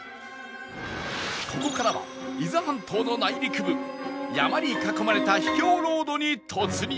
ここからは伊豆半島の内陸部山に囲まれた秘境ロードに突入